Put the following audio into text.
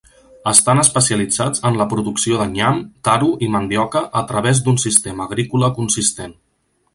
Estan especialitzats en la producció de nyam, taro i mandioca a través d'un sistema agrícola consistent.